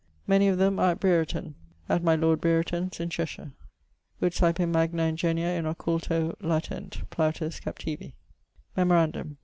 Many of them are at Brereton at my lord Brereton's in Cheshire. [XLVIII.] Ut saepe magna ingenia in occulto latent. PLAUTUS, Captivi. Memorandum